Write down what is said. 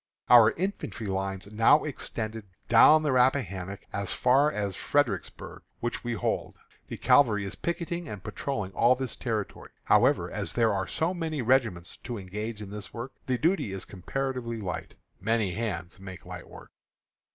Our infantry lines now extend down the Rappahannock as far as Fredericksburg, which we hold. The cavalry is picketing and patrolling all this territory. However, as there are so many regiments to engage in this work, the duty is comparatively light. "Many hands make light work."